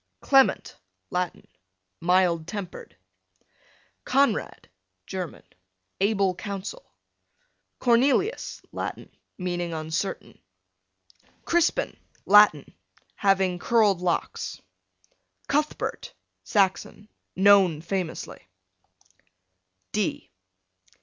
Clement, Latin, mild tempered. Conrad, German, able counsel. Cornelius, Latin, meaning uncertain. Crispin, Latin, having curled locks. Cuthbert, Saxon, known famously.